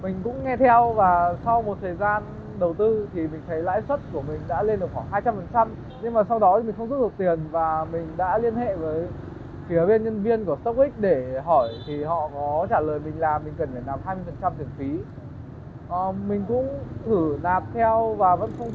mình cũng thử nạp theo và vẫn không rút được sau đó thì mình không thấy nhân viên trên đó phản hồi đến mình nữa